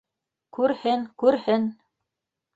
Күрһен, күрһен!..